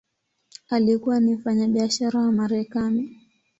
Alikuwa ni mfanyabiashara wa Marekani.